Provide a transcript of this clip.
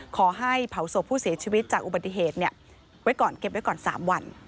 ขอให้เผาศพผู้เสียชีวิตจากอุบัติเหตุไว้ก่อนเก็บไว้ก่อน๓วัน